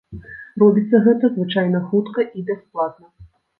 Робіцца гэта звычайна хутка і бясплатна.